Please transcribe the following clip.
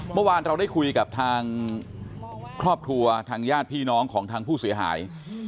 เมื่อวานเราได้คุยกับทางครอบครัวทางญาติพี่น้องของทางผู้เสียหาย